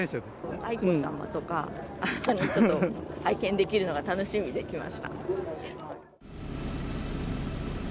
愛子さまとか、ちょっと拝見できるのが楽しみで来ました。